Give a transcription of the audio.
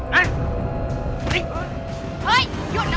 เฮ้ยหยุดนะเว้ย